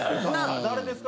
誰ですか？